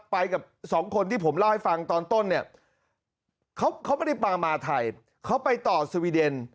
ไปกับสองคนที่ผมเล่าให้ฟังตอนต้นเนี่ยเขาไม่ได้มามาไทยเขาไปต่อสวีเดน